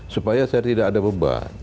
supaya saya tidak ada beban